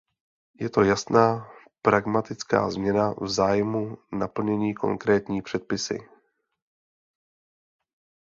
Je to jasná, pragmatická změna v zájmu naplnění konkrétní potřeby.